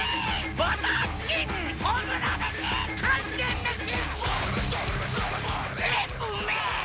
バターチキン炎メシ完全メシ